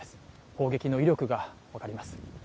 砲撃の威力が分かります。